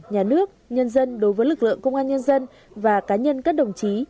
nhà nước nhân dân đối với lực lượng công an nhân dân và cá nhân các đồng chí